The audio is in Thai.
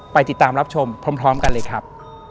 ติดตามรับชมพร้อมกันเลยครับ